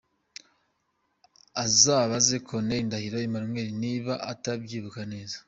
Azabaze Colonel Ndahiro Emmanuel niba atabyibuka neza.